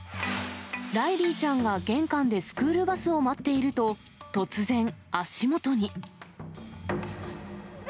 ライリーちゃんが玄関でスクールバスを待っていると、突然、足元に。